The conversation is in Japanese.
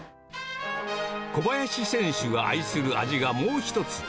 小林選手が愛する味がもう一つ。